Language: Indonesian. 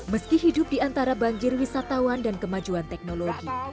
meski hidup di antara banjir wisatawan dan kemajuan teknologi